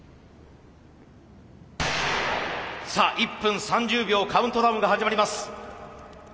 さあ１分３０秒カウントダウンが始まります。